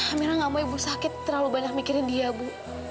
akhirnya gak mau ibu sakit terlalu banyak mikirin dia bu